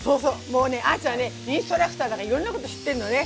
もうねあーちゃんねインストラクターだからいろんなこと知ってんのね。